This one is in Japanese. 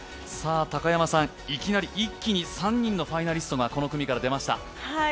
高山さん、いきなり一気に３人のファイナリストがこの組から出ました。